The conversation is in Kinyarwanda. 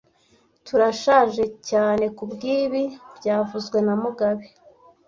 Turashaje cyane kubwibi byavuzwe na mugabe